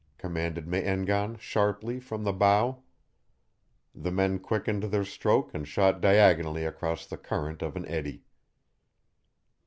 commanded Me en gan, sharply, from the bow. The men quickened their stroke and shot diagonally across the current of an eddy.